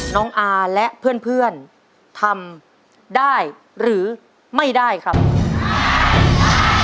น้องอาและเพื่อนทำได้หรือไม่ได้ครับ